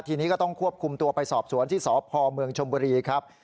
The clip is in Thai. ทีนี้ก็ต้องควบคุมตัวไปสอบสวนที่สพเมืองชมบุรีครับ